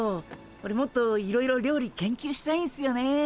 オレもっといろいろ料理研究したいんすよね。